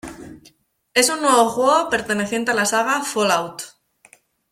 Es un nuevo juego perteneciente a la saga "Fallout".